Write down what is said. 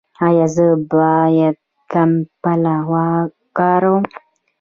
ایا زه باید کمپله وکاروم؟